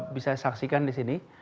bisa saksikan di sini